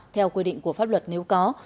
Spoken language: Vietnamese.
theo quy định của pháp luật nếu có